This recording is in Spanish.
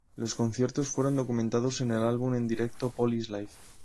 Los conciertos fueron documentados en el álbum en directo "Paul is Live!